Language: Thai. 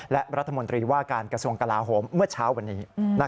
และรัฐมนตรีว่าการกระทรวงกลาโหมเมื่อเช้าวันนี้